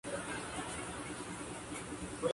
En Chile su antecedente inmediato es Iglesia Joven.